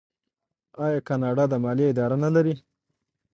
آیا کاناډا د مالیې اداره نلري؟